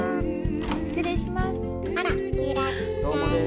失礼します。